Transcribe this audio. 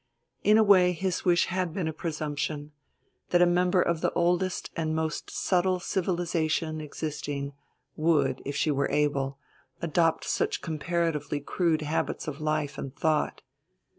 In a way his wish had been a presumption that a member of the oldest and most subtle civilization existing would, if she were able, adopt such comparatively crude habits of life and thought.